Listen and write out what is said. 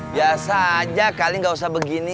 biasa aja kali gak usah begini